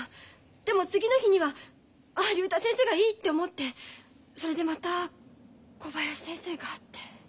でも次の日にはああ竜太先生がいいって思ってそれでまた小林先生がって。